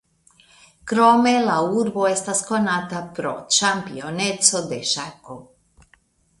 Krome la urbo estas konata pro ĉampioneco de ŝako.